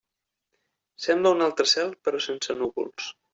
Sembla un altre cel, però sense núvols.